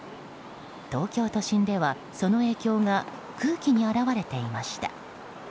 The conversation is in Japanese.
東京都心ではその影響が空気に表れていました。